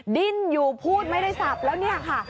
ดิ้นอยู่พูดไม่ได้สับแล้วเนี่ยค่ะ